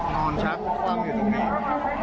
มันชักต้องอยู่ตรงนี้